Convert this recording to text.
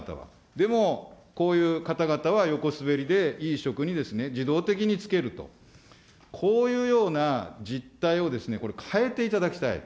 でもこういう方々は横滑りで、いい職に、自動的に就けると、こういうような実態をこれ、変えていただきたい。